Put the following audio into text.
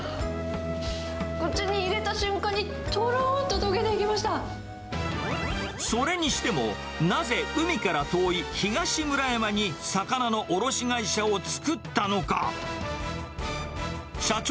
口に入れた瞬間に、それにしても、なぜ海から遠い東村山に魚の卸会社を作ったのか。